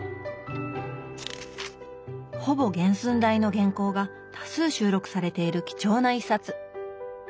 ほぼ原寸大の原稿が多数収録されている貴重な一冊。